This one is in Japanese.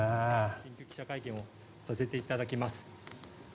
緊急記者会見をさせていただきます。